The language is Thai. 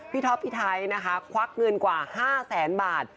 ท็อปพี่ไทยนะคะควักเงินกว่า๕แสนบาท